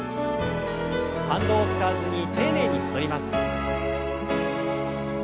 反動を使わずに丁寧に戻ります。